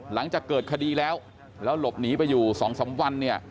หลังจากเกิดคดีแล้วแล้วหลบหนีไปอยู่สองสามวัน